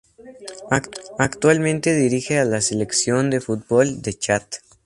Actualmente dirige a la Selección de fútbol de Chad.